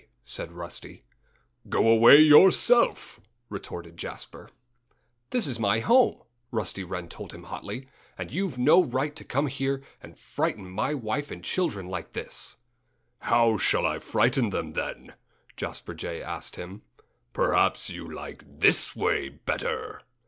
said Rusty. "Go away yourself!" retorted Jasper. "This is my home," Rusty Wren told him hotly. "And you've no right to come here and frighten my wife and children like this." "How shall I frighten them, then?" Jasper Jay asked him. "Perhaps you like this way better!"